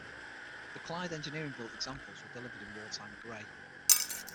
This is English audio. The Clyde Engineering built examples were delivered in wartime grey.